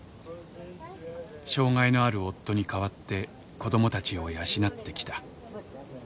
障害のある夫に代わって子どもたちを養ってきた。